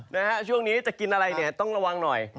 งั้นเลยเหรอนะฮะช่วงนี้จะกินอะไรเนี่ยต้องระวังหน่อย